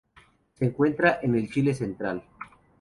Se encuentra en el Chile central.